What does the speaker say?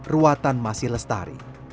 ruatan masih lestari